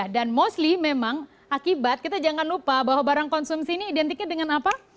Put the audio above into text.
dan mostly memang akibat kita jangan lupa bahwa barang konsumsi ini identiknya dengan apa